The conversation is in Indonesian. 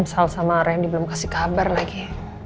salah sama rendy belum kasih kabar lagi